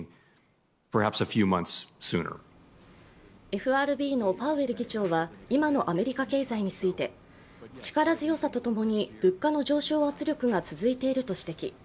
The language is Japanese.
ＦＲＢのパウエル議長は今のアメリカ経済について力強さとともに物価の上昇圧力が続いていると指摘。